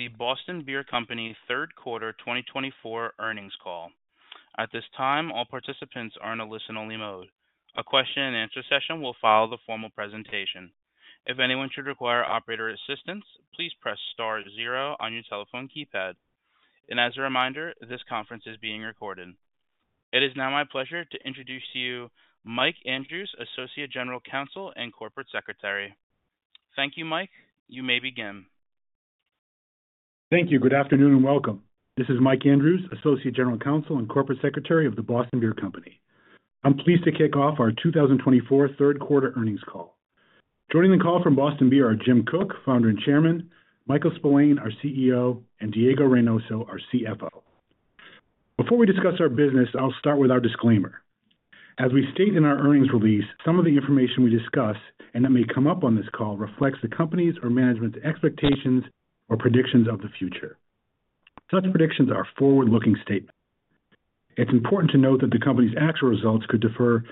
The Boston Beer Company third quarter 2024 earnings call. At this time, all participants are in a listen-only mode. A question and answer session will follow the formal presentation. If anyone should require operator assistance, please press star zero on your telephone keypad. And as a reminder, this conference is being recorded. It is now my pleasure to introduce to you Mike Andrews, Associate General Counsel and Corporate Secretary. Thank you, Mike. You may begin. Thank you. Good afternoon, and welcome. This is Mike Andrews, Associate General Counsel and Corporate Secretary of The Boston Beer Company. I'm pleased to kick off our two thousand and twenty-four third quarter earnings call. Joining the call from Boston Beer are Jim Koch, Founder and Chairman, Michael Spillane, our CEO, and Diego Reynoso, our CFO. Before we discuss our business, I'll start with our disclaimer. As we state in our earnings release, some of the information we discuss and that may come up on this call reflects the company's or management's expectations or predictions of the future. Such predictions are forward-looking statements. It's important to note that the company's actual results could differ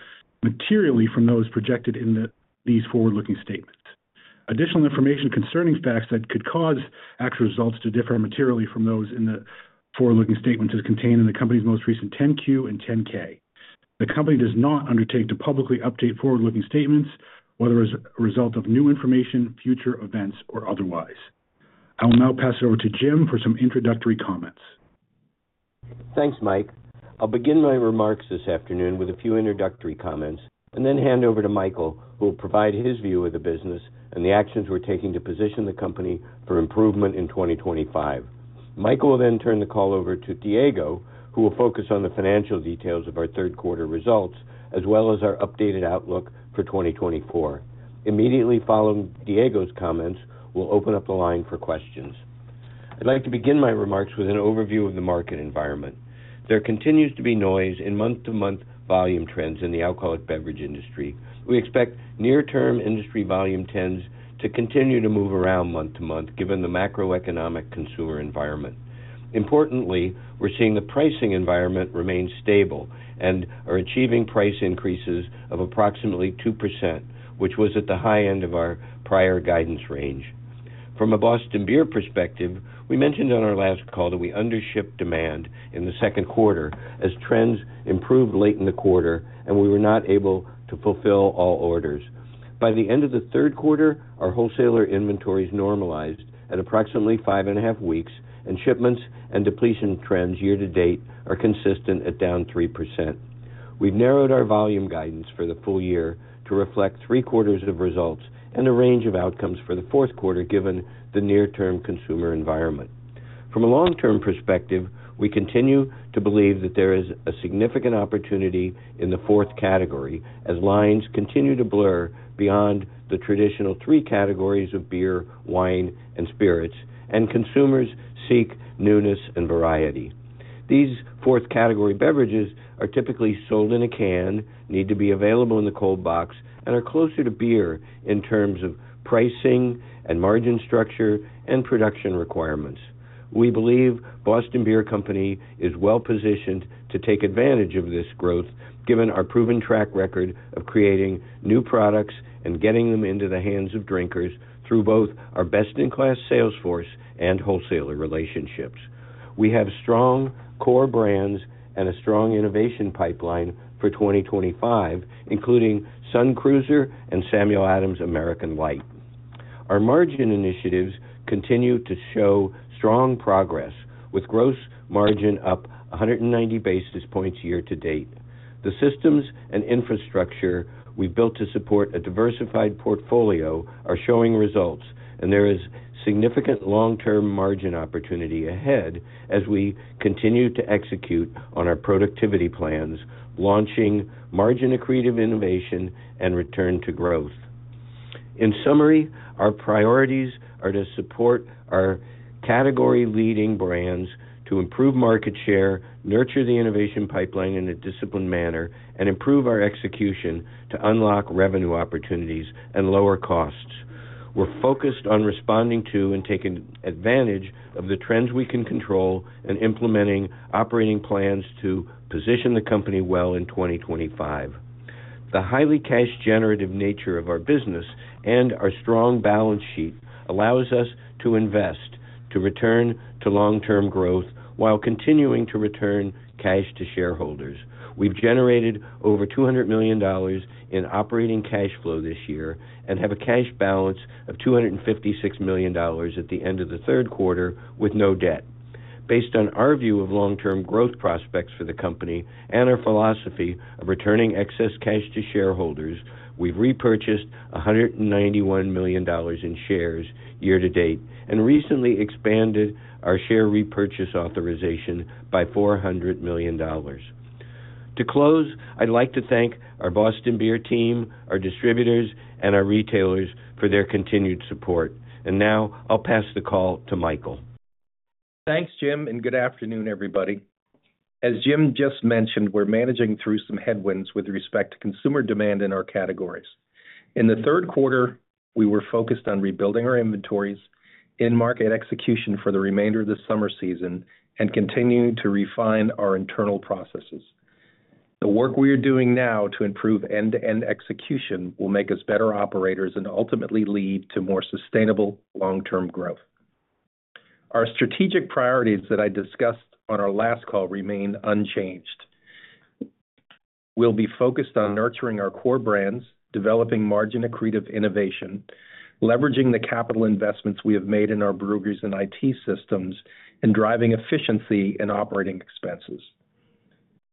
materially from those projected in these forward-looking statements. Additional information concerning facts that could cause actual results to differ materially from those in the forward-looking statements is contained in the company's most recent 10-Q and 10-K. The company does not undertake to publicly update forward-looking statements, whether as a result of new information, future events, or otherwise. I will now pass it over to Jim for some introductory comments. Thanks, Mike. I'll begin my remarks this afternoon with a few introductory comments and then hand over to Michael, who will provide his view of the business and the actions we're taking to position the company for improvement in twenty twenty-five. Michael will then turn the call over to Diego, who will focus on the financial details of our third quarter results, as well as our updated outlook for twenty twenty-four. Immediately following Diego's comments, we'll open up the line for questions. I'd like to begin my remarks with an overview of the market environment. There continues to be noise in month-to-month volume trends in the alcoholic beverage industry. We expect near-term industry volume trends to continue to move around month to month, given the macroeconomic consumer environment. Importantly, we're seeing the pricing environment remain stable and are achieving price increases of approximately 2%, which was at the high end of our prior guidance range. From a Boston Beer perspective, we mentioned on our last call that we undershipped demand in the second quarter as trends improved late in the quarter, and we were not able to fulfill all orders. By the end of the third quarter, our wholesaler inventories normalized at approximately five and a half weeks, and shipments and depletion trends year to date are consistent at down 3%. We've narrowed our volume guidance for the full year to reflect three quarters of results and a range of outcomes for the fourth quarter, given the near-term consumer environment. From a long-term perspective, we continue to believe that there is a significant opportunity in the fourth category as lines continue to blur beyond the traditional three categories of beer, wine, and spirits, and consumers seek newness and variety. These fourth category beverages are typically sold in a can, need to be available in the cold box, and are closer to beer in terms of pricing and margin structure and production requirements. We believe Boston Beer Company is well positioned to take advantage of this growth, given our proven track record of creating new products and getting them into the hands of drinkers through both our best-in-class sales force and wholesaler relationships. We have strong core brands and a strong innovation pipeline for 2025, including Sun Cruiser and Samuel Adams American Light. Our margin initiatives continue to show strong progress, with gross margin up 190 basis points year to date. The systems and infrastructure we've built to support a diversified portfolio are showing results, and there is significant long-term margin opportunity ahead as we continue to execute on our productivity plans, launching margin-accretive innovation and return to growth. In summary, our priorities are to support our category-leading brands to improve market share, nurture the innovation pipeline in a disciplined manner, and improve our execution to unlock revenue opportunities and lower costs. We're focused on responding to and taking advantage of the trends we can control and implementing operating plans to position the company well in 2025. The highly cash-generative nature of our business and our strong balance sheet allows us to invest to return to long-term growth while continuing to return cash to shareholders. We've generated over $200 million in operating cash flow this year and have a cash balance of $256 million at the end of the third quarter, with no debt. Based on our view of long-term growth prospects for the company and our philosophy of returning excess cash to shareholders, we've repurchased $191 million in shares year to date and recently expanded our share repurchase authorization by $400 million. To close, I'd like to thank our Boston Beer team, our distributors, and our retailers for their continued support. And now I'll pass the call to Michael. Thanks, Jim, and good afternoon, everybody. As Jim just mentioned, we're managing through some headwinds with respect to consumer demand in our categories. In the third quarter, we were focused on rebuilding our inventories, in-market execution for the remainder of the summer season, and continuing to refine our internal processes. ... The work we are doing now to improve end-to-end execution will make us better operators and ultimately lead to more sustainable long-term growth. Our strategic priorities that I discussed on our last call remain unchanged. We'll be focused on nurturing our core brands, developing margin-accretive innovation, leveraging the capital investments we have made in our breweries and IT systems, and driving efficiency and operating expenses.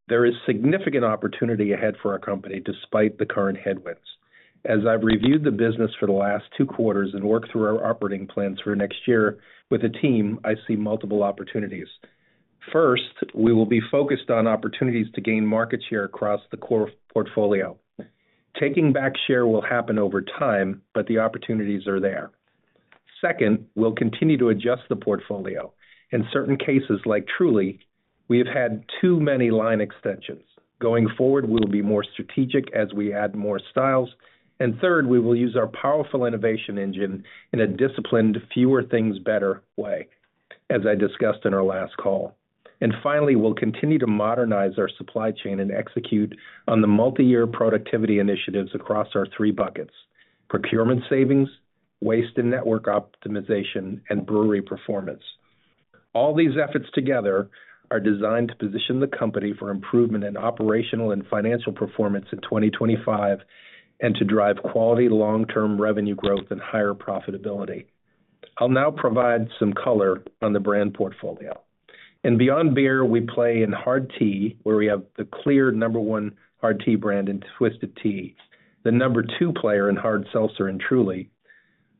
There is significant opportunity ahead for our company despite the current headwinds. As I've reviewed the business for the last two quarters and worked through our operating plans for next year with the team, I see multiple opportunities. First, we will be focused on opportunities to gain market share across the core portfolio. Taking back share will happen over time, but the opportunities are there. Second, we'll continue to adjust the portfolio. In certain cases, like Truly, we have had too many line extensions. Going forward, we'll be more strategic as we add more styles. Third, we will use our powerful innovation engine in a disciplined, fewer things, better way, as I discussed in our last call. Finally, we'll continue to modernize our supply chain and execute on the multiyear productivity initiatives across our three buckets: procurement savings, waste and network optimization, and brewery performance. All these efforts together are designed to position the company for improvement in operational and financial performance in 2025, and to drive quality long-term revenue growth and higher profitability. I'll now provide some color on the brand portfolio. In beyond beer, we play in hard tea, where we have the clear number one hard tea brand in Twisted Tea, the number two player in hard seltzer, in Truly.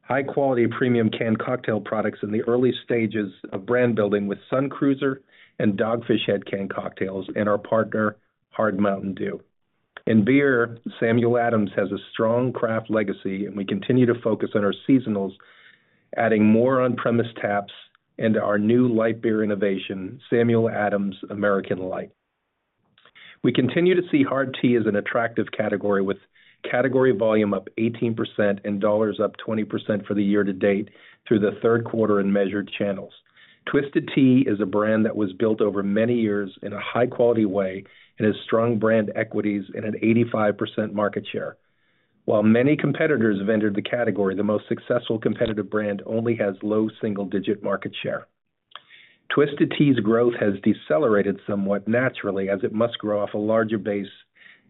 High-quality, premium canned cocktail products in the early stages of brand building with Sun Cruiser and Dogfish Head Canned Cocktails, and our partner, Hard Mountain Dew. In beer, Samuel Adams has a strong craft legacy, and we continue to focus on our seasonals, adding more on-premise taps into our new light beer innovation, Samuel Adams American Light. We continue to see hard tea as an attractive category, with category volume up 18% and dollars up 20% for the year to date through the third quarter in measured channels. Twisted Tea is a brand that was built over many years in a high-quality way and has strong brand equities and an 85% market share. While many competitors have entered the category, the most successful competitive brand only has low single-digit market share. Twisted Tea's growth has decelerated somewhat naturally, as it must grow off a larger base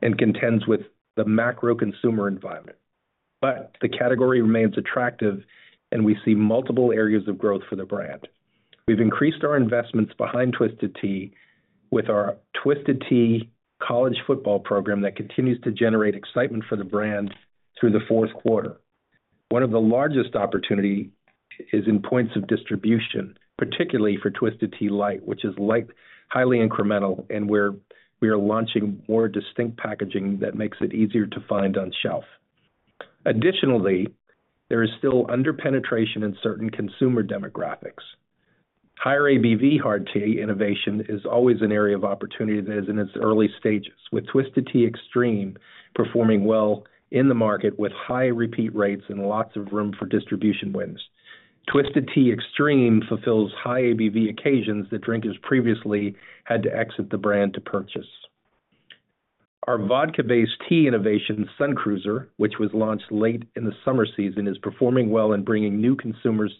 and contends with the macro consumer environment. But the category remains attractive, and we see multiple areas of growth for the brand. We've increased our investments behind Twisted Tea with our Twisted Tea College Football program that continues to generate excitement for the brand through the fourth quarter. One of the largest opportunity is in points of distribution, particularly for Twisted Tea Light, which is light, highly incremental, and where we are launching more distinct packaging that makes it easier to find on shelf. Additionally, there is still under-penetration in certain consumer demographics. Higher ABV hard tea innovation is always an area of opportunity that is in its early stages, with Twisted Tea Extreme performing well in the market with high repeat rates and lots of room for distribution wins. Twisted Tea Extreme fulfills high ABV occasions that drinkers previously had to exit the brand to purchase. Our vodka-based tea innovation, Sun Cruiser, which was launched late in the summer season, is performing well and bringing new consumers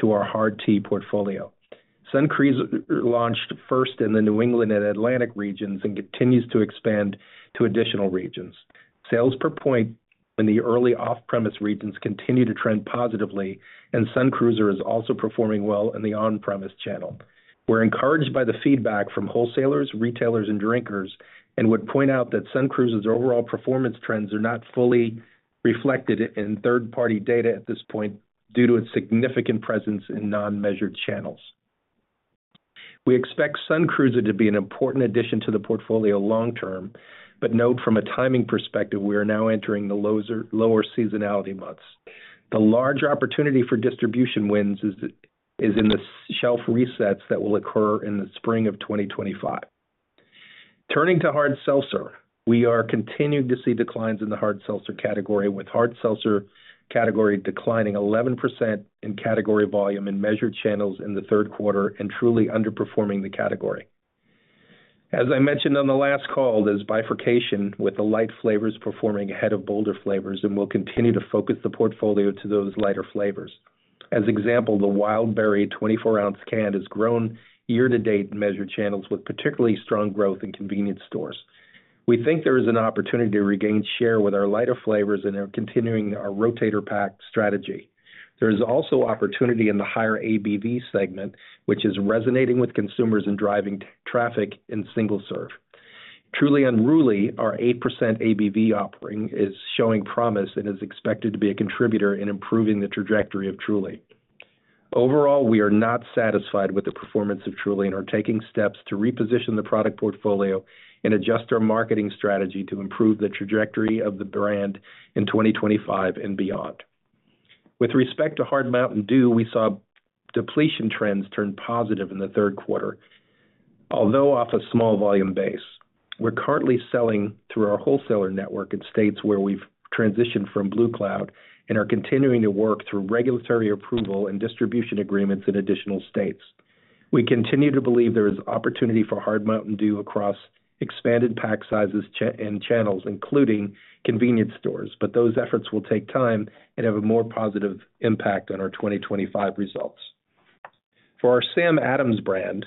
to our hard tea portfolio. Sun Cruiser launched first in the New England and Atlantic regions and continues to expand to additional regions. Sales per point in the early off-premise regions continue to trend positively, and Sun Cruiser is also performing well in the on-premise channel. We're encouraged by the feedback from wholesalers, retailers, and drinkers, and would point out that Sun Cruiser's overall performance trends are not fully reflected in third-party data at this point due to its significant presence in non-measured channels. We expect Sun Cruiser to be an important addition to the portfolio long term, but note from a timing perspective, we are now entering the lower seasonality months. The larger opportunity for distribution wins is in the shelf resets that will occur in the spring of twenty twenty-five. Turning to hard seltzer, we are continuing to see declines in the hard seltzer category, with hard seltzer category declining 11% in category volume in measured channels in the third quarter and Truly underperforming the category. As I mentioned on the last call, there's bifurcation, with the light flavors performing ahead of bolder flavors, and we'll continue to focus the portfolio to those lighter flavors. As example, the Wild Berry 24-ounce can has grown year to date in measured channels, with particularly strong growth in convenience stores. We think there is an opportunity to regain share with our lighter flavors and are continuing our rotator pack strategy. There is also opportunity in the higher ABV segment, which is resonating with consumers and driving traffic in single serve. Truly Unruly, our 8% ABV offering, is showing promise and is expected to be a contributor in improving the trajectory of Truly. Overall, we are not satisfied with the performance of Truly and are taking steps to reposition the product portfolio and adjust our marketing strategy to improve the trajectory of the brand in twenty twenty-five and beyond. With respect to Hard Mountain Dew, we saw depletion trends turn positive in the third quarter, although off a small volume base. We're currently selling through our wholesaler network in states where we've transitioned from Blue Cloud and are continuing to work through regulatory approval and distribution agreements in additional states. We continue to believe there is opportunity for Hard Mountain Dew across expanded pack sizes and channels, including convenience stores, but those efforts will take time and have a more positive impact on our twenty twenty-five results. For our Sam Adams brand,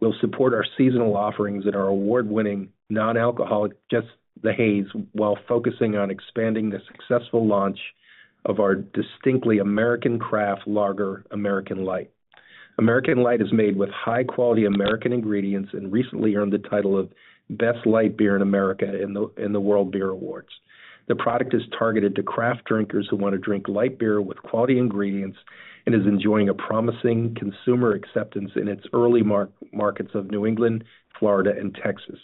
we'll support our seasonal offerings and our award-winning non-alcoholic, Just the Haze, while focusing on expanding the successful launch of our distinctly American craft lager, American Light. American Light is made with high-quality American ingredients and recently earned the title of Best Light Beer in America in the World Beer Awards. The product is targeted to craft drinkers who want to drink light beer with quality ingredients and is enjoying a promising consumer acceptance in its early markets of New England, Florida, and Texas.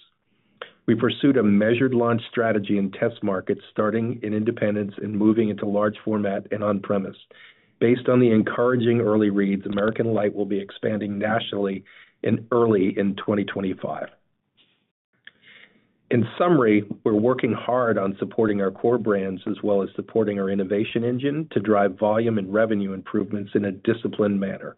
We pursued a measured launch strategy in test markets, starting in independent and moving into large format and on-premise. Based on the encouraging early reads, American Light will be expanding nationally in early 2025. In summary, we're working hard on supporting our core brands, as well as supporting our innovation engine, to drive volume and revenue improvements in a disciplined manner.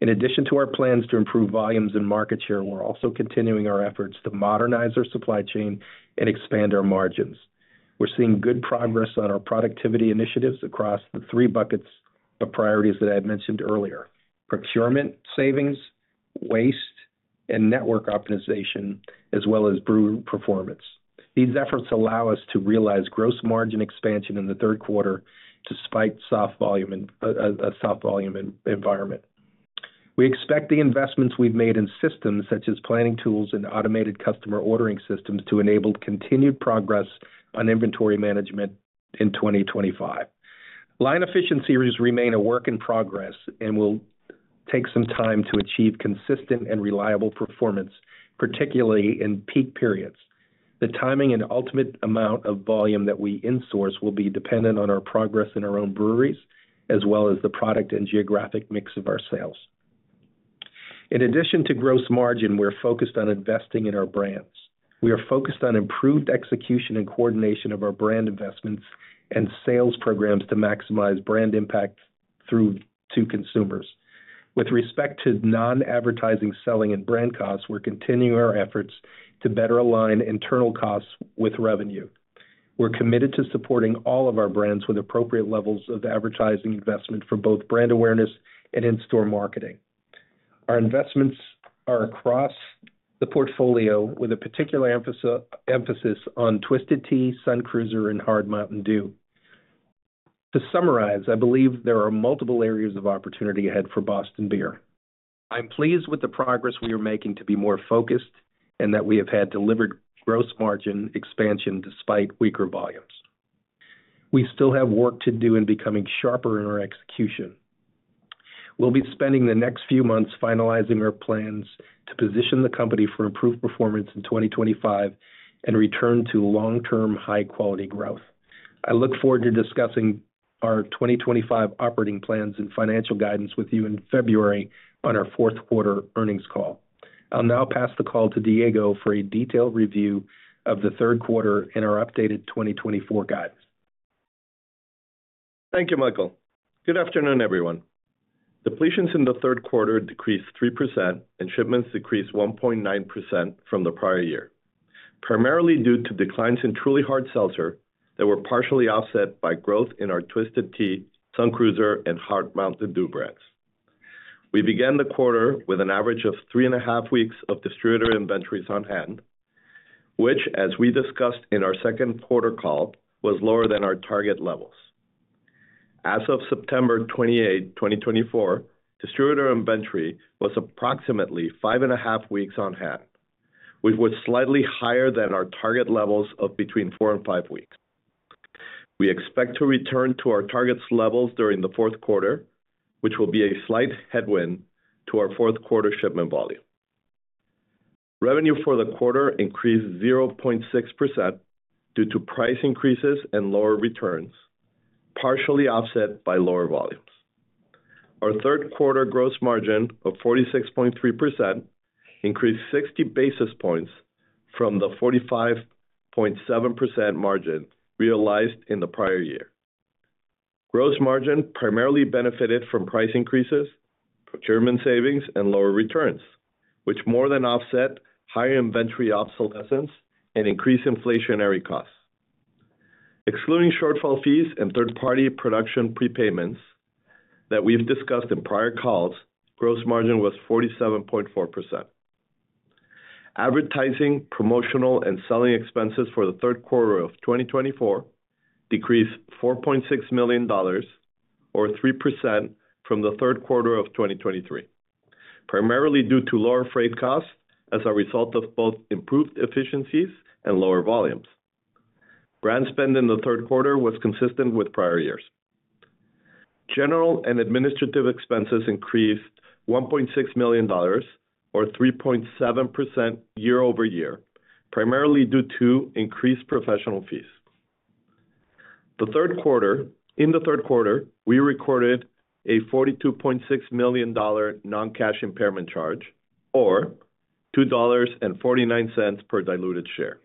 In addition to our plans to improve volumes and market share, we're also continuing our efforts to modernize our supply chain and expand our margins. We're seeing good progress on our productivity initiatives across the three buckets of priorities that I had mentioned earlier: procurement, savings, waste, and network optimization, as well as brew performance. These efforts allow us to realize gross margin expansion in the third quarter, despite soft volume in a soft volume environment. We expect the investments we've made in systems such as planning tools and automated customer ordering systems, to enable continued progress on inventory management in twenty twenty-five. Line efficiency rates remain a work in progress and will take some time to achieve consistent and reliable performance, particularly in peak periods. The timing and ultimate amount of volume that we insource will be dependent on our progress in our own breweries, as well as the product and geographic mix of our sales. In addition to gross margin, we're focused on investing in our brands. We are focused on improved execution and coordination of our brand investments and sales programs to maximize brand impact through to consumers. With respect to non-advertising, selling, and brand costs, we're continuing our efforts to better align internal costs with revenue. We're committed to supporting all of our brands with appropriate levels of advertising investment for both brand awareness and in-store marketing. Our investments are across the portfolio, with a particular emphasis on Twisted Tea, Sun Cruiser, and Hard Mountain Dew. To summarize, I believe there are multiple areas of opportunity ahead for Boston Beer. I'm pleased with the progress we are making to be more focused, and that we have had delivered gross margin expansion despite weaker volumes. We still have work to do in becoming sharper in our execution. We'll be spending the next few months finalizing our plans to position the company for improved performance in 2025 and return to long-term, high-quality growth. I look forward to discussing our 2025 operating plans and financial guidance with you in February on our fourth quarter earnings call. I'll now pass the call to Diego for a detailed review of the third quarter and our updated 2024 guidance. Thank you, Michael. Good afternoon, everyone. Depletions in the third quarter decreased 3%, and shipments decreased 1.9% from the prior year, primarily due to declines in Truly Hard Seltzer that were partially offset by growth in our Twisted Tea, Sun Cruiser, and Hard Mountain Dew brands. We began the quarter with an average of three and a half weeks of distributor inventories on hand, which, as we discussed in our second quarter call, was lower than our target levels. As of September twenty-eight, twenty twenty-four, distributor inventory was approximately five and a half weeks on hand, which was slightly higher than our target levels of between four and five weeks. We expect to return to our target levels during the fourth quarter, which will be a slight headwind to our fourth quarter shipment volume. Revenue for the quarter increased 0.6% due to price increases and lower returns, partially offset by lower volumes. Our third quarter gross margin of 46.3% increased 60 basis points from the 45.7% margin realized in the prior year. Gross margin primarily benefited from price increases, procurement savings, and lower returns, which more than offset higher inventory obsolescence and increased inflationary costs. Excluding shortfall fees and third-party production prepayments that we've discussed in prior calls, gross margin was 47.4%. Advertising, promotional, and selling expenses for the third quarter of 2024 decreased $4.6 million, or 3% from the third quarter of 2023, primarily due to lower freight costs as a result of both improved efficiencies and lower volumes. Brand spend in the third quarter was consistent with prior years. General and administrative expenses increased $1.6 million, or 3.7% year-over-year, primarily due to increased professional fees. In the third quarter, we recorded a $42.6 million non-cash impairment charge, or $2.49 per diluted share,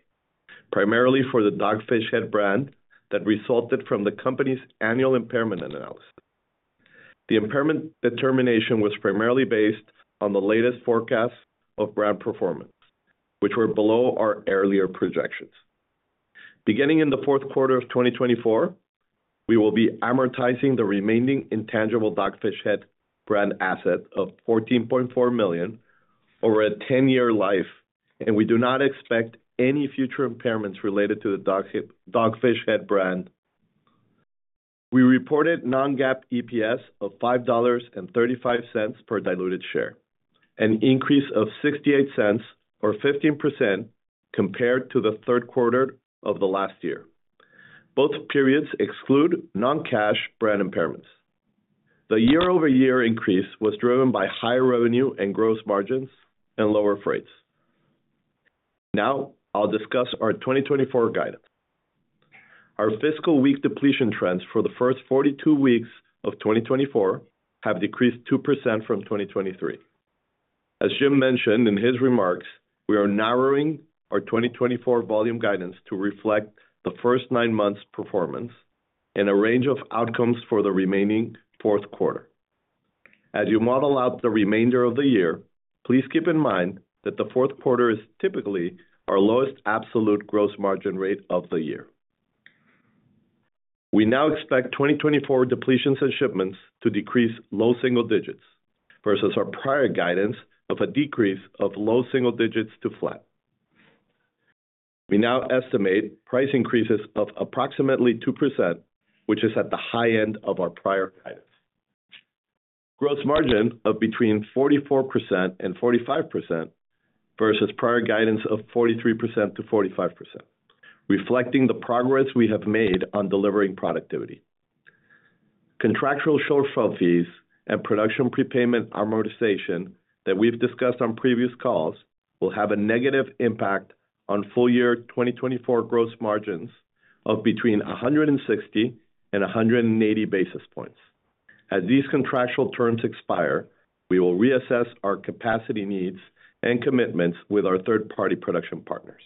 primarily for the Dogfish Head brand that resulted from the company's annual impairment analysis. The impairment determination was primarily based on the latest forecast of brand performance, which were below our earlier projections. Beginning in the fourth quarter of 2024, we will be amortizing the remaining intangible Dogfish Head brand asset of $14.4 million over a 10-year life, and we do not expect any future impairments related to the Dogfish Head brand. We reported non-GAAP EPS of $5.35 per diluted share, an increase of $0.68 or 15% compared to the third quarter of the last year. Both periods exclude non-cash brand impairments. The year-over-year increase was driven by higher revenue and gross margins and lower rates. Now I'll discuss our 2024 guidance. Our fiscal week depletion trends for the first 42 weeks of 2024 have decreased 2% from 2023. As Jim mentioned in his remarks, we are narrowing our 2024 volume guidance to reflect the first nine months' performance and a range of outcomes for the remaining fourth quarter. As you model out the remainder of the year, please keep in mind that the fourth quarter is typically our lowest absolute gross margin rate of the year. We now expect 2024 depletions and shipments to decrease low single digits versus our prior guidance of a decrease of low single digits to flat. We now estimate price increases of approximately 2%, which is at the high end of our prior guidance. Gross margin of between 44% and 45% versus prior guidance of 43% to 45%, reflecting the progress we have made on delivering productivity. Contractual shortfall fees and production prepayment amortization that we've discussed on previous calls will have a negative impact on full year 2024 gross margins of between 160 basis points and 180 basis points. As these contractual terms expire, we will reassess our capacity needs and commitments with our third-party production partners.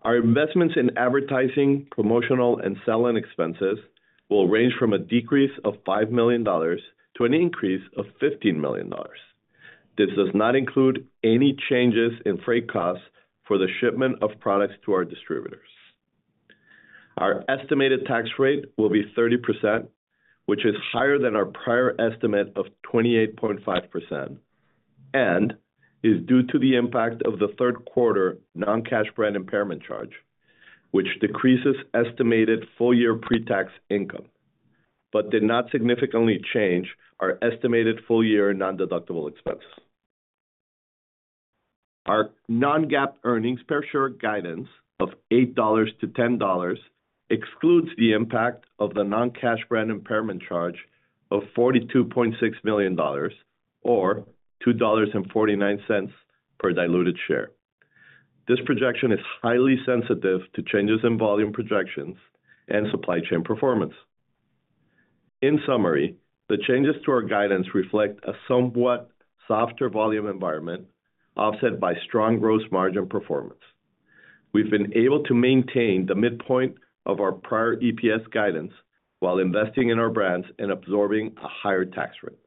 Our investments in advertising, promotional, and selling expenses will range from a decrease of $5 million to an increase of $15 million. This does not include any changes in freight costs for the shipment of products to our distributors. Our estimated tax rate will be 30%, which is higher than our prior estimate of 28.5%, and is due to the impact of the third quarter non-cash brand impairment charge, which decreases estimated full year pre-tax income, but did not significantly change our estimated full year nondeductible expense. Our non-GAAP earnings per share guidance of $8 to $10 excludes the impact of the non-cash brand impairment charge of $42.6 million, or $2.49 per diluted share. This projection is highly sensitive to changes in volume projections and supply chain performance. In summary, the changes to our guidance reflect a somewhat softer volume environment, offset by strong gross margin performance. We've been able to maintain the midpoint of our prior EPS guidance while investing in our brands and absorbing a higher tax rate.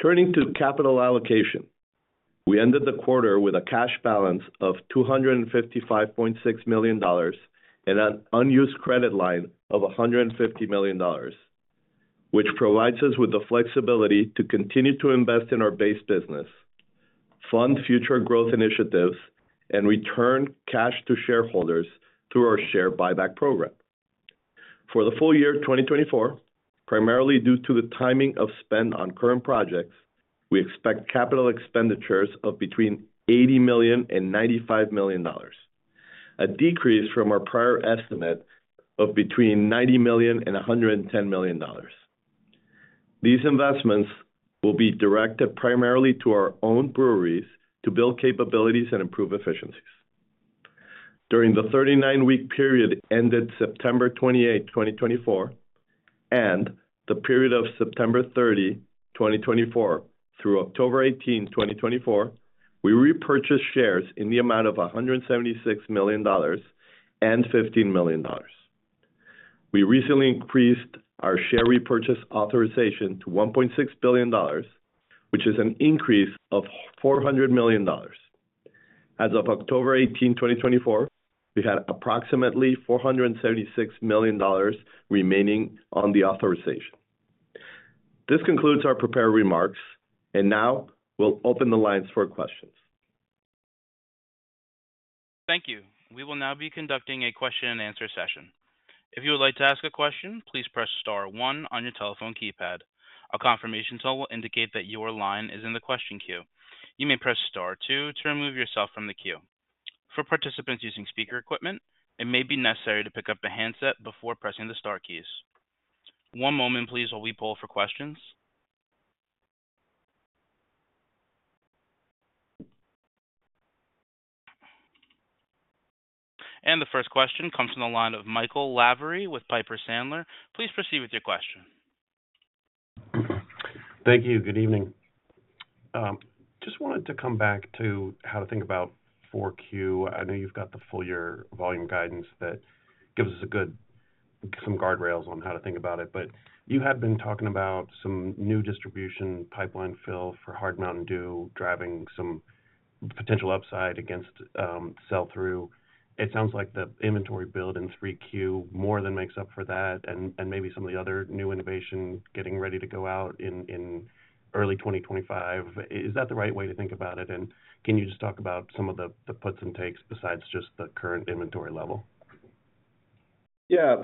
Turning to capital allocation. We ended the quarter with a cash balance of $255.6 million and an unused credit line of $150 million, which provides us with the flexibility to continue to invest in our base business, fund future growth initiatives, and return cash to shareholders through our share buyback program. For the full year of 2024, primarily due to the timing of spend on current projects, we expect capital expenditures of between $80 million and $95 million, a decrease from our prior estimate of between $90 million and $110 million. These investments will be directed primarily to our own breweries to build capabilities and improve efficiencies. During the thirty-nine-week period ended September twenty-eight, 2024, and the period of September thirty, 2024, through October eighteen, 2024, we repurchased shares in the amount of $176 million and $15 million. We recently increased our share repurchase authorization to $1.6 billion, which is an increase of $400 million. As of October eighteen, 2024, we had approximately $476 million remaining on the authorization. This concludes our prepared remarks, and now we'll open the lines for questions. Thank you. We will now be conducting a question and answer session. If you would like to ask a question, please press star one on your telephone keypad. A confirmation tone will indicate that your line is in the question queue. You may press star two to remove yourself from the queue. For participants using speaker equipment, it may be necessary to pick up the handset before pressing the star keys. One moment, please, while we poll for questions. And the first question comes from the line of Michael Lavery with Piper Sandler. Please proceed with your question.... Thank you. Good evening. Just wanted to come back to how to think about 4Q. I know you've got the full year volume guidance that gives us a good, some guardrails on how to think about it, but you have been talking about some new distribution pipeline fill for Hard Mountain Dew, driving some potential upside against sell-through. It sounds like the inventory build in 3Q more than makes up for that and maybe some of the other new innovation getting ready to go out in early 2025. Is that the right way to think about it? And can you just talk about some of the puts and takes besides just the current inventory level? Yeah,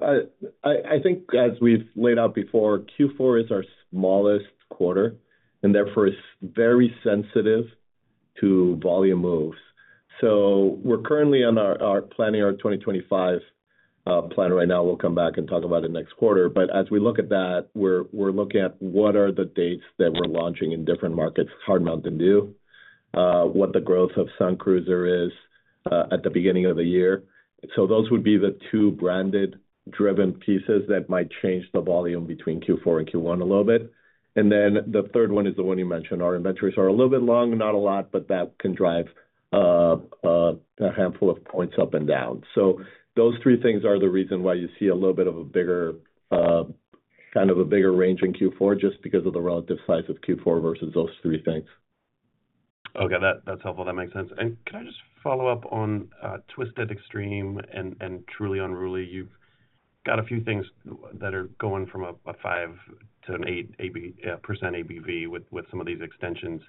I think as we've laid out before, Q4 is our smallest quarter, and therefore is very sensitive to volume moves. So we're currently on our planning, our 2025 plan right now. We'll come back and talk about it next quarter. But as we look at that, we're looking at what are the dates that we're launching in different markets, Hard Mountain Dew, what the growth of Sun Cruiser is, at the beginning of the year. So those would be the two branded driven pieces that might change the volume between Q4 and Q1 a little bit. And then the third one is the one you mentioned. Our inventories are a little bit long, not a lot, but that can drive a handful of points up and down. So those three things are the reason why you see a little bit of a bigger, kind of a bigger range in Q4, just because of the relative size of Q4 versus those three things. Okay, that's helpful. That makes sense. And can I just follow up on Twisted Tea Extreme and Truly Unruly? You've got a few things that are going from 5% to 8% ABV with some of these extensions.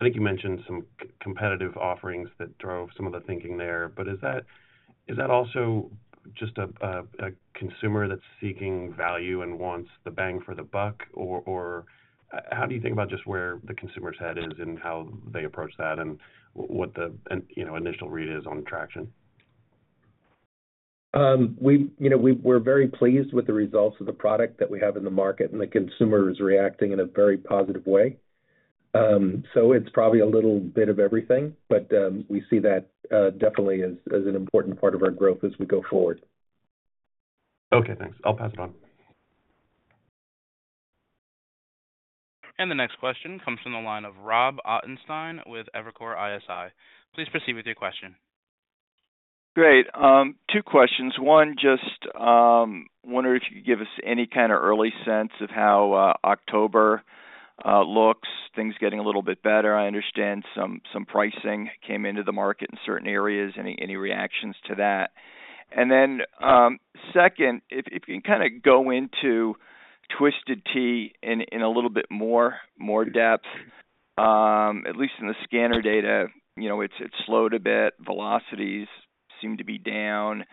I think you mentioned some competitive offerings that drove some of the thinking there. But is that also just a consumer that's seeking value and wants the bang for the buck? Or how do you think about just where the consumer's head is and how they approach that, and what the, you know, initial read is on the traction? You know, we're very pleased with the results of the product that we have in the market, and the consumer is reacting in a very positive way. So it's probably a little bit of everything, but we see that definitely as an important part of our growth as we go forward. Okay, thanks. I'll pass it on. The next question comes from the line of Rob Ottenstein with Evercore ISI. Please proceed with your question. Great. Two questions. One, just wondering if you could give us any kind of early sense of how October looks, things getting a little bit better. I understand some pricing came into the market in certain areas. Any reactions to that? And then, second, if you can kind of go into Twisted Tea in a little bit more depth, at least in the scanner data, you know, it's slowed a bit. Velocities seem to be down,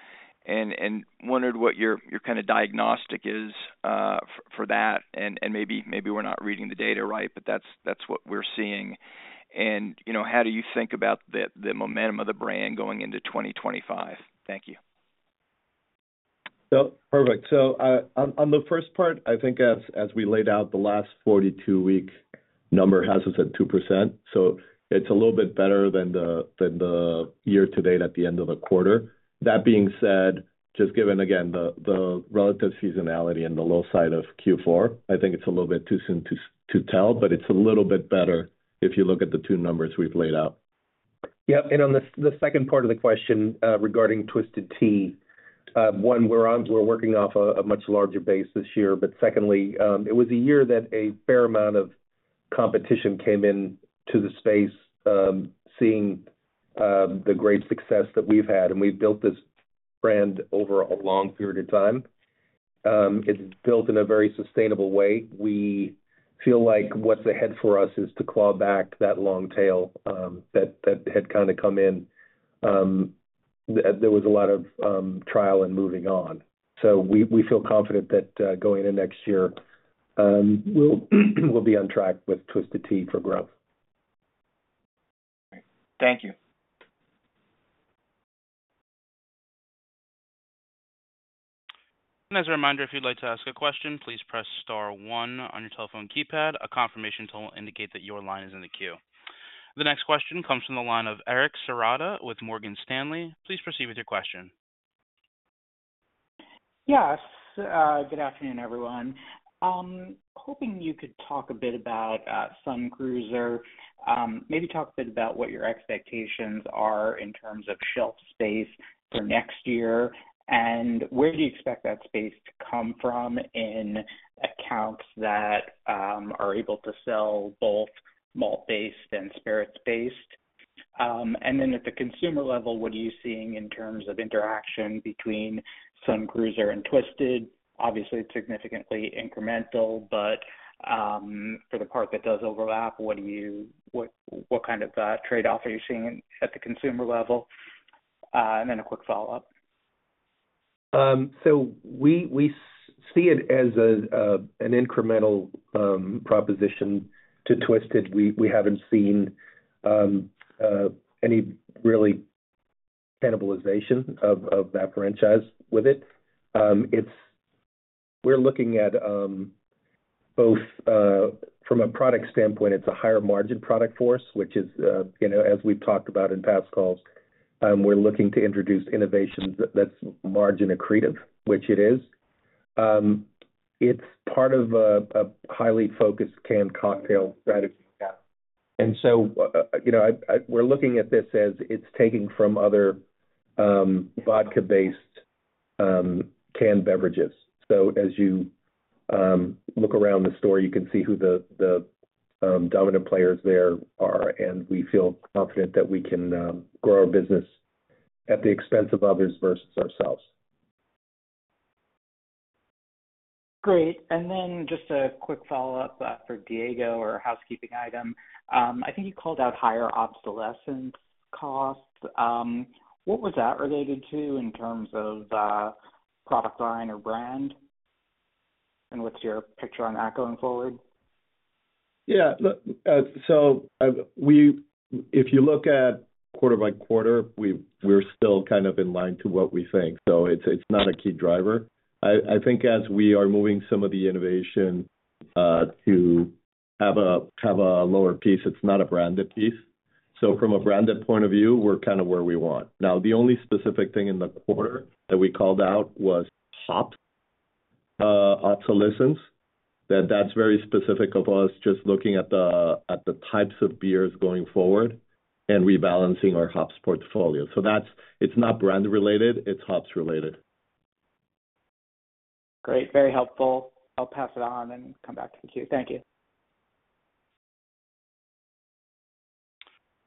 and wondered what your kind of diagnostic is for that. And maybe we're not reading the data right, but that's what we're seeing. And, you know, how do you think about the momentum of the brand going into 2025? Thank you. So, perfect. So, on the first part, I think as we laid out, the last forty-two-week number has us at 2%, so it's a little bit better than the year to date at the end of the quarter. That being said, just given, again, the relative seasonality and the low side of Q4, I think it's a little bit too soon to tell, but it's a little bit better if you look at the two numbers we've laid out. Yeah, and on the second part of the question, regarding Twisted Tea, one, we're working off a much larger base this year. But secondly, it was a year that a fair amount of competition came into the space, seeing the great success that we've had, and we've built this brand over a long period of time. It's built in a very sustainable way. We feel like what's ahead for us is to claw back that long tail that had kind of come in. There was a lot of trial and moving on. So we feel confident that going into next year, we'll be on track with Twisted Tea for growth. Thank you. And as a reminder, if you'd like to ask a question, please press star one on your telephone keypad. A confirmation tone will indicate that your line is in the queue. The next question comes from the line of Eric Serotta with Morgan Stanley. Please proceed with your question. Yes. Good afternoon, everyone. Hoping you could talk a bit about Sun Cruiser. Maybe talk a bit about what your expectations are in terms of shelf space for next year, and where do you expect that space to come from in accounts that are able to sell both malt-based and spirits-based? And then at the consumer level, what are you seeing in terms of interaction between Sun Cruiser and Twisted? Obviously, it's significantly incremental, but for the part that does overlap, what kind of trade-off are you seeing at the consumer level? And then a quick follow-up. So we see it as an incremental proposition to Twisted. We haven't seen any really cannibalization of that franchise with it. It's. We're looking at both from a product standpoint. It's a higher margin product for us, which is, you know, as we've talked about in past calls. ... We're looking to introduce innovations that's margin accretive, which it is. It's part of a highly focused canned cocktail strategy. And so, you know, we're looking at this as it's taking from other, vodka-based, canned beverages. So as you look around the store, you can see who the dominant players there are, and we feel confident that we can grow our business at the expense of others versus ourselves. Great. And then just a quick follow-up for Diego or a housekeeping item. I think you called out higher obsolescence costs. What was that related to in terms of, product line or brand? And what's your picture on that going forward? Yeah, look, so we-- if you look at quarter by quarter, we're still kind of in line to what we think, so it's not a key driver. I think as we are moving some of the innovation to have a lower piece, it's not a branded piece. So from a branded point of view, we're kind of where we want. Now, the only specific thing in the quarter that we called out was hops obsolescence, that's very specific of us just looking at the types of beers going forward and rebalancing our hops portfolio. So that's it. It's not brand related, it's hops related. Great, very helpful. I'll pass it on and come back to the queue. Thank you.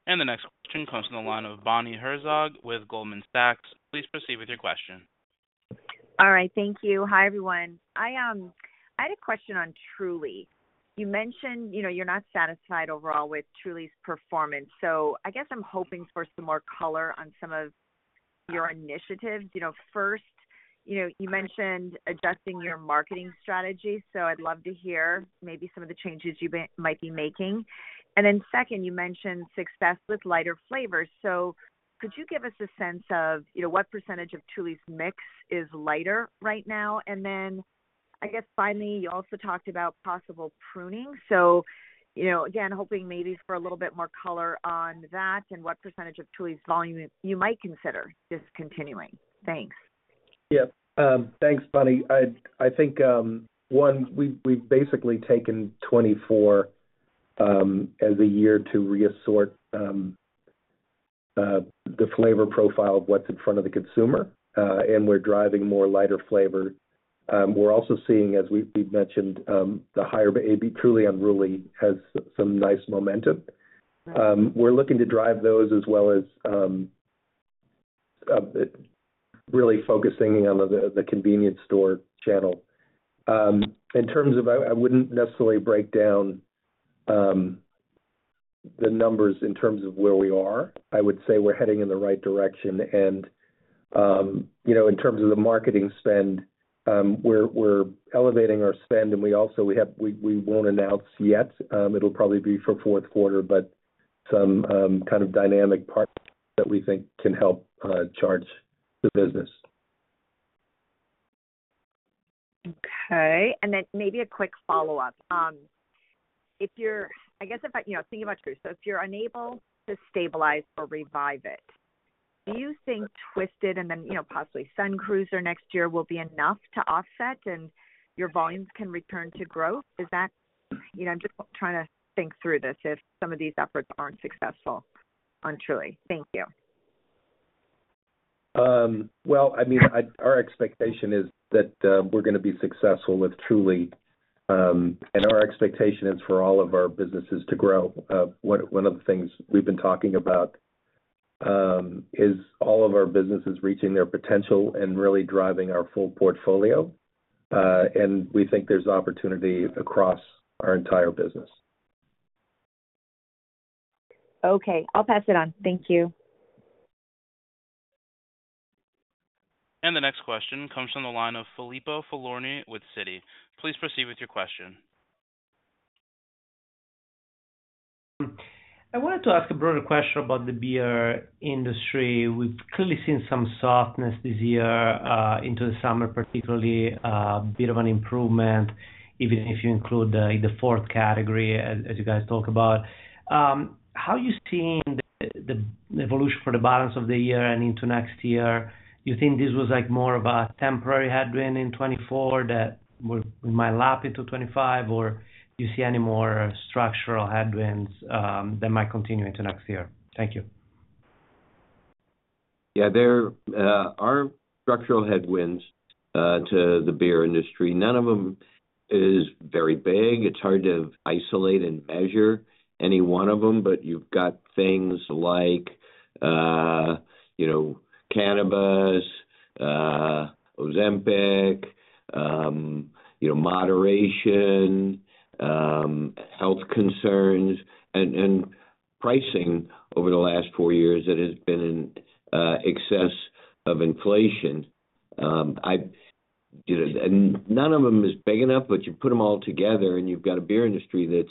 The next question comes from the line of Bonnie Herzog with Goldman Sachs. Please proceed with your question. All right, thank you. Hi, everyone. I had a question on Truly. You mentioned, you know, you're not satisfied overall with Truly's performance, so I guess I'm hoping for some more color on some of your initiatives. You know, first, you know, you mentioned adjusting your marketing strategy, so I'd love to hear maybe some of the changes you might be making. And then second, you mentioned success with lighter flavors. So could you give us a sense of, you know, what percentage of Truly's mix is lighter right now? And then, I guess finally, you also talked about possible pruning. So, you know, again, hoping maybe for a little bit more color on that and what percentage of Truly's volume you might consider discontinuing. Thanks. Yeah. Thanks, Bonnie. I think, one, we've basically taken twenty-four as a year to reassort the flavor profile of what's in front of the consumer, and we're driving more lighter flavor. We're also seeing, as we've mentioned, the higher AB, Truly Unruly, has some nice momentum. We're looking to drive those as well as really focusing on the convenience store channel. In terms of, I wouldn't necessarily break down the numbers in terms of where we are. I would say we're heading in the right direction, and you know, in terms of the marketing spend, we're elevating our spend, and we also won't announce yet. It'll probably be for fourth quarter, but some kind of dynamic partners that we think can help charge the business. Okay, and then maybe a quick follow-up. If you're, I guess, if I, you know, thinking about Truly, so if you're unable to stabilize or revive it, do you think Twisted and then, you know, possibly Sun Cruiser next year will be enough to offset and your volumes can return to growth? Is that, you know, I'm just trying to think through this, if some of these efforts aren't successful on Truly. Thank you. Well, I mean, our expectation is that we're gonna be successful with Truly, and our expectation is for all of our businesses to grow. One of the things we've been talking about is all of our businesses reaching their potential and really driving our full portfolio, and we think there's opportunity across our entire business. Okay, I'll pass it on. Thank you. The next question comes from the line of Filippo Falorni with Citi. Please proceed with your question. I wanted to ask a broader question about the beer industry. We've clearly seen some softness this year into the summer, particularly a bit of an improvement, even if you include the fourth category, as you guys talk about. How are you seeing the evolution for the balance of the year and into next year? You think this was, like, more of a temporary headwind in 2024 that we might lap into 2025, or do you see any more structural headwinds that might continue into next year? Thank you. Yeah, there are structural headwinds to the beer industry. None of them is very big. It's hard to isolate and measure any one of them, but you've got things like, you know, cannabis, Ozempic, you know, moderation, health concerns and pricing over the last four years that has been in excess of inflation. You know, and none of them is big enough, but you put them all together, and you've got a beer industry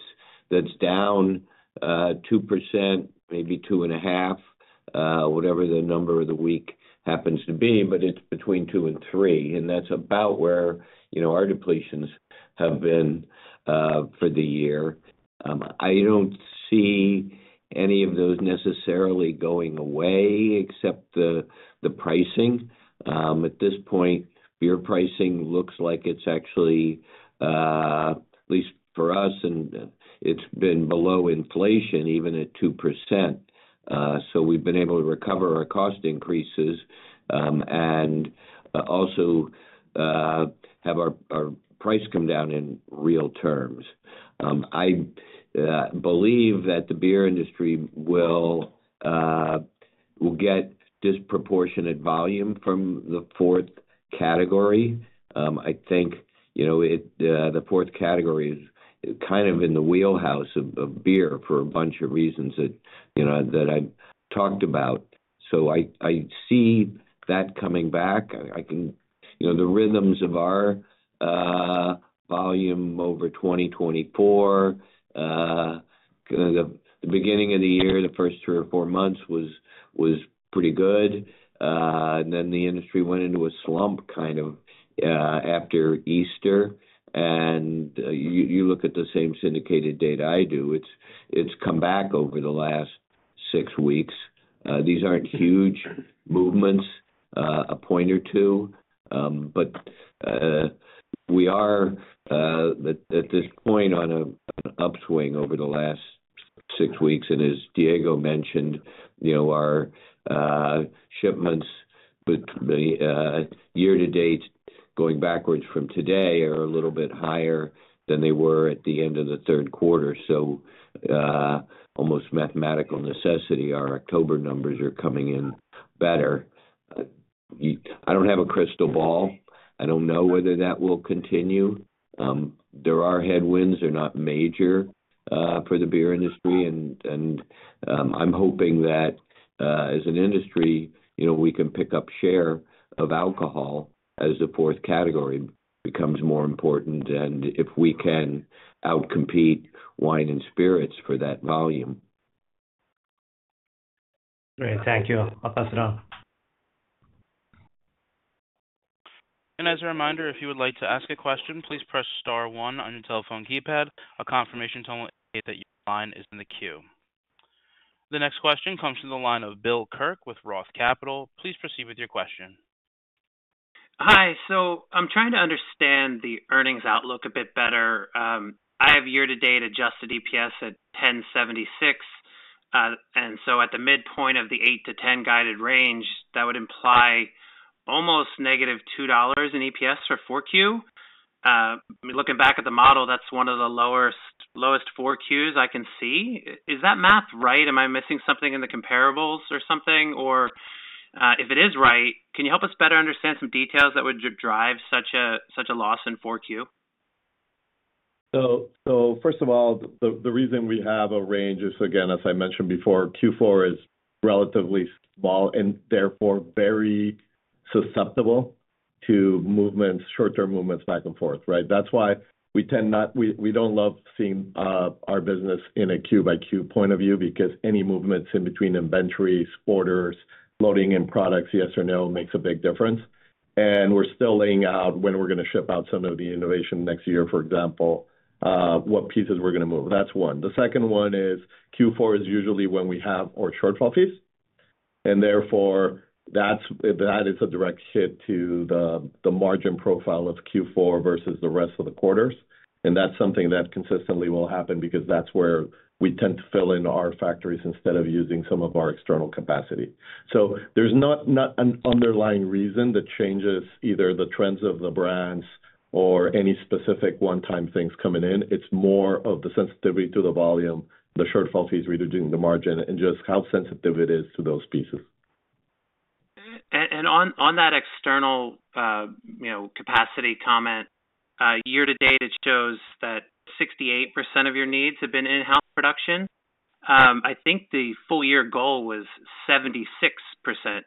that's down 2%, maybe 2.5%, whatever the number of the week happens to be, but it's between 2% and 3%, and that's about where, you know, our depletions have been for the year. I don't see any of those necessarily going away, except the pricing. At this point, beer pricing looks like it's actually, at least for us, and it's been below inflation, even at 2%. So we've been able to recover our cost increases, and also have our price come down in real terms. I believe that the beer industry will get disproportionate volume from the fourth category. I think, you know, the fourth category is kind of in the wheelhouse of beer for a bunch of reasons that, you know, that I talked about. So I see that coming back. I can -- you know, the rhythms of our volume over 2024, the beginning of the year, the first three or four months was pretty good. And then the industry went into a slump, kind of, after Easter. And you look at the same syndicated data I do. It's come back over the last six weeks. These aren't huge movements, a point or two, but we are at this point on an upswing over the last six weeks. And as Diego mentioned, you know, our shipments with the year to date, going backwards from today, are a little bit higher than they were at the end of the third quarter. So, almost mathematical necessity, our October numbers are coming in better. I don't have a crystal ball. I don't know whether that will continue. There are headwinds, they're not major, for the beer industry, and I'm hoping that, as an industry, you know, we can pick up share of alcohol as the fourth category becomes more important, and if we can outcompete wine and spirits for that volume. Great. Thank you. I'll pass it on. As a reminder, if you would like to ask a question, please press star one on your telephone keypad. A confirmation tone will indicate that your line is in the queue. The next question comes from the line of Bill Kirk with Roth Capital. Please proceed with your question. Hi, so I'm trying to understand the earnings outlook a bit better. I have year-to-date adjusted EPS at $10.76. And so at the midpoint of the $8-$10 guided range, that would imply almost negative $2 in EPS for 4Q. Looking back at the model, that's one of the lowest 4Qs I can see. Is that math right? Am I missing something in the comparables or something? Or, if it is right, can you help us better understand some details that would drive such a, such a loss in 4Q? First of all, the reason we have a range is, again, as I mentioned before, Q4 is relatively small and therefore very susceptible to movements, short-term movements back and forth, right? That's why we don't love seeing our business in a Q by Q point of view, because any movements in between inventories, orders, loading in products, yes or no, makes a big difference. And we're still laying out when we're going to ship out some of the innovation next year, for example, what pieces we're going to move. That's one. The second one is, Q4 is usually when we have our shortfall fees, and therefore, that is a direct hit to the margin profile of Q4 versus the rest of the quarters. That's something that consistently will happen because that's where we tend to fill in our factories instead of using some of our external capacity. There's not an underlying reason that changes either the trends of the brands or any specific one-time things coming in. It's more of the sensitivity to the volume, the shortfall fees, reducing the margin, and just how sensitive it is to those pieces. On that external, you know, capacity comment, year to date, it shows that 68% of your needs have been in-house production. I think the full year goal was 76%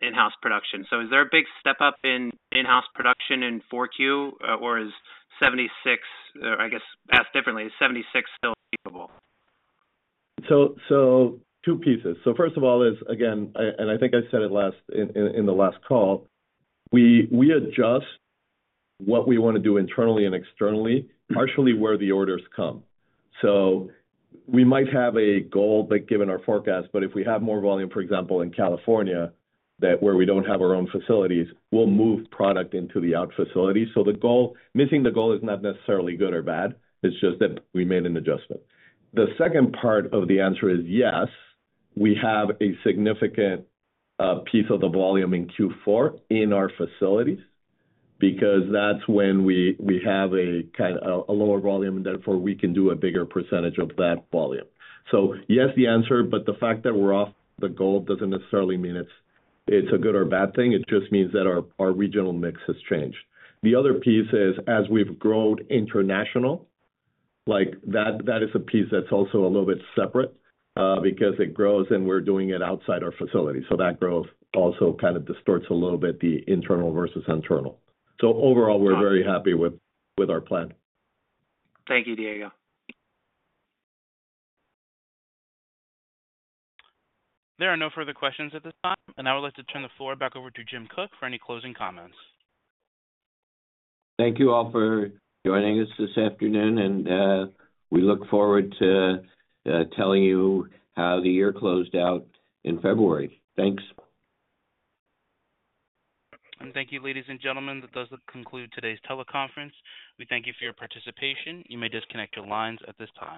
in-house production. So is there a big step up in in-house production in 4Q, or is 76, or I guess, asked differently, is 76 still achievable? So two pieces. So first of all is, again, and I think I said it last in the last call, we adjust what we want to do internally and externally, partially where the orders come. So we might have a goal, but given our forecast, if we have more volume, for example, in California, than where we don't have our own facilities, we'll move product into the other facilities. So the goal missing the goal is not necessarily good or bad, it's just that we made an adjustment. The second part of the answer is yes, we have a significant piece of the volume in Q4 in our facilities, because that's when we have a kind of a lower volume, therefore, we can do a bigger percentage of that volume. So yes, is the answer, but the fact that we're off the goal doesn't necessarily mean it's a good or bad thing. It just means that our regional mix has changed. The other piece is, as we've grown international, like, that is a piece that's also a little bit separate, because it grows, and we're doing it outside our facilities. So overall, we're very happy with our plan. Thank you, Diego. There are no further questions at this time, and I would like to turn the floor back over to Jim Koch for any closing comments. Thank you all for joining us this afternoon, and we look forward to telling you how the year closed out in February. Thanks. Thank you, ladies and gentlemen. That does conclude today's teleconference. We thank you for your participation. You may disconnect your lines at this time.